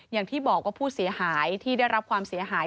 อย่างที่บอกว่าผู้เสียหายที่ได้รับความเสียหาย